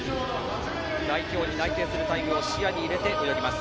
代表に内定するタイムを視野に入れて泳ぎます。